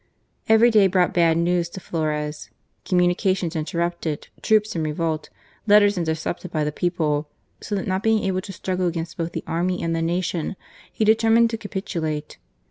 Every day brought bad news to Flores: communications interrupted, troops in revolt, letters intercepted by the people ; so that not being able to struggle against both the army and the nation, he determined to capitulate.